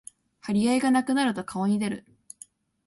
張り合いがなくなると顔に出る